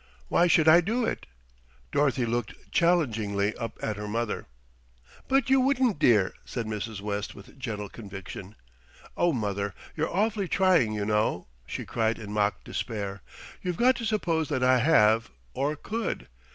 Why should I do it?" Dorothy looked challengingly up at her mother. "But you wouldn't, dear," said Mrs. West with gentle conviction. "Oh, mother, you're awfully trying you know," she cried in mock despair. "You've got to suppose that I have, or could.